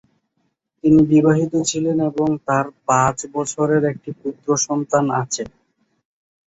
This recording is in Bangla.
তিনি বিবাহিত ছিলেন এবং তাঁর পাঁচ বছরের একটি পুত্রসন্তান আছে।